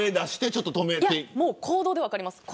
いや、行動で分かります。